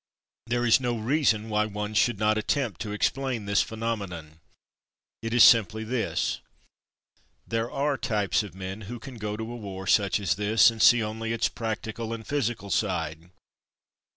There is no reason why one should not attempt to explain this phenomenon. It is simply this: there are types of men who can go to a war such as this and only see its practi cal and physical side.